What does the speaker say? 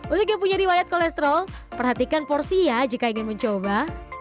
untuk yang punya riwayat kolesterol perhatikan porsi ya jika ingin mencoba